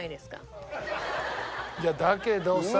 いやだけどさ。